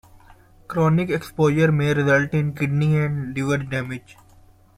Chronic exposure may result in kidney and liver damage.